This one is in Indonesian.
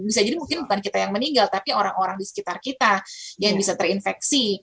bisa jadi mungkin bukan kita yang meninggal tapi orang orang di sekitar kita yang bisa terinfeksi